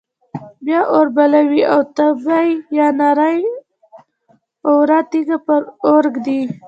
بیا اور بلوي او تبۍ یا نرۍ اواره تیږه پر اور ږدي.